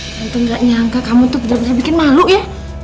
tante gak nyangka kamu tuh bener bener bikin malu ya